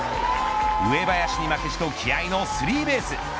上林に負けじと気合のスリーベース。